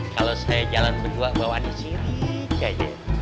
kalau saya jalan berdua bawaan isi rika ya